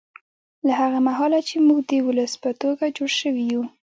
له هغه مهاله چې موږ د ولس په توګه جوړ شوي یو